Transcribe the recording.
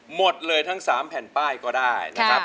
หมดเลยทั้ง๓แผ่นป้ายก็ได้นะครับ